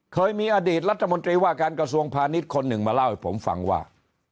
เคยมีอดีตรัฐมนตรีว่าการกระทรวงพาณิชย์คนหนึ่งมาเล่าให้ผมฟังว่า